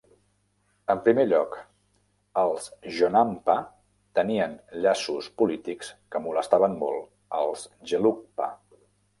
En primer lloc, els jonangpa tenien llaços polítics que molestaven molt els gelugpa.